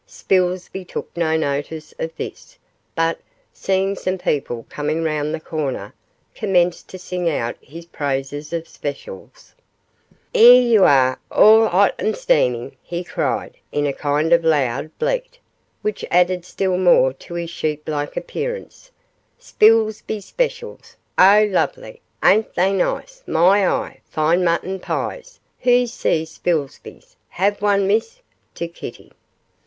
Spilsby took no notice of this, but, seeing some people coming round the corner, commenced to sing out his praises of the specials. ''Ere yer are all 'ot an' steamin',' he cried, in a kind of loud bleat, which added still more to his sheep like appearance: 'Spilsby's Specials oh, lovely ain't they nice; my eye, fine muttin pies; who ses Spilsby's; 'ave one, miss?' to Kitty.